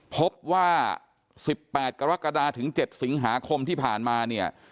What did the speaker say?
พบว่า๑๘กรกฎาถึง๗สิงหาคมที่ผ่านมาเนี่ย